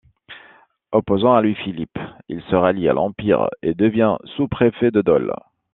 Opposant à Louis-Philippe, il se rallie à l'Empire et devient sous-préfet de Dole.